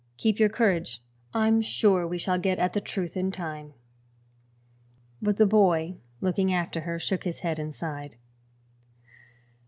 Keep your courage; I'm sure we shall get at the truth in time." But the boy, looking after her, shook his head and sighed.